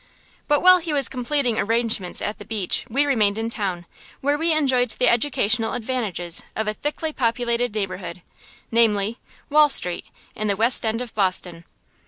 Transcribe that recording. But while he was completing arrangements at the beach we remained in town, where we enjoyed the educational advantages of a thickly populated neighborhood; namely, Wall Street, in the West End of Boston.